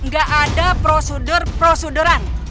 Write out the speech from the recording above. gak ada prosedur proseduran